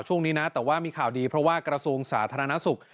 ช่วงนี้นะแต่ว่ามีข่าวดีเพราะว่ากระทรวงสาธารณสุข